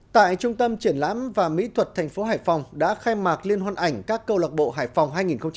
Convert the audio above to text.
tại trung tâm triển lãm và mỹ thuật thành phố hải phòng đã khai mạc liên hoan ảnh các câu lạc bộ hải phòng hai nghìn hai mươi bốn